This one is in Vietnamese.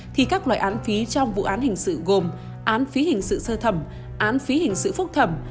thì các loại án phí trong vụ án hình sự gồm án phí hình sự sơ thẩm án phí hình sự phúc thẩm